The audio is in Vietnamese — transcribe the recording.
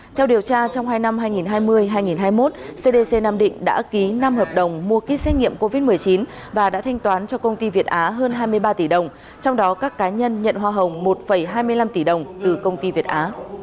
theo điều tra trong hai năm hai nghìn hai mươi hai nghìn hai mươi một cdc nam định đã ký năm hợp đồng mua kýt xét nghiệm covid một mươi chín và đã thanh toán cho công ty việt á hơn hai mươi ba tỷ đồng trong đó các cá nhân nhận hoa hồng một hai mươi năm tỷ đồng từ công ty việt á